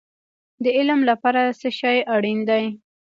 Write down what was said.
د علم لپاره څه شی اړین دی؟